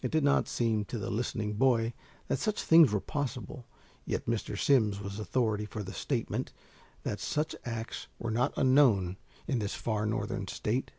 It did not seem to the listening boy that such things were possible; yet Mr. Simms was authority for the statement that such acts were not unknown in this far northern state.